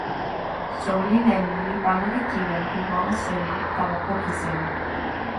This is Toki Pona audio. soweli Lenja li pana e kiwen pi wawa seli tawa poki seli.